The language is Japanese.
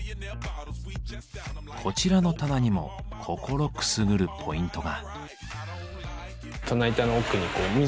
こちらの棚にも心くすぐるポイントが。